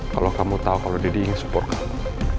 kalau kamu tahu kalau deddy ingin support kamu